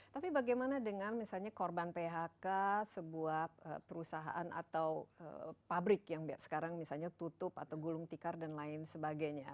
tapi bagaimana dengan misalnya korban phk sebuah perusahaan atau pabrik yang sekarang misalnya tutup atau gulung tikar dan lain sebagainya